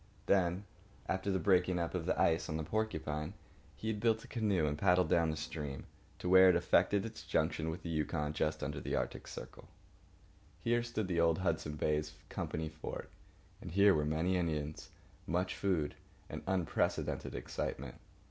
Then, after the break up of the ice on the Porcupine, he had built a canoe and paddled down that stream to where it effected its junction with the Yukon just under the Artic circle. Here stood the old Hudson's Bay Company fort; and here were many Indians, much food, and unprecedented excitement.